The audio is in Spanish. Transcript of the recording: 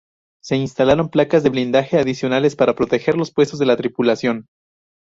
Se instalaron placas de blindaje adicionales para proteger los puestos de la tripulación.